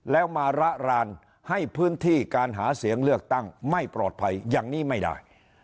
แล้วมาระรานให้พื้นที่การหาเสียงเลือกตั้งไม่ปลอดภัยอย่างนี้ไม่ได้